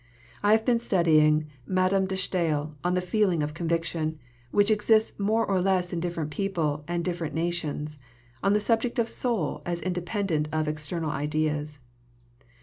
I have been studying Mad. de Staël on the feeling of conviction, which exists more or less in different people and different nations, on the subject of soul as independent of external ideas.